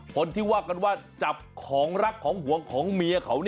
คนที่ว่ากันว่าจับของรักของห่วงของเมียเขา